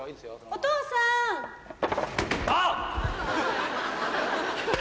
お父さんあっ！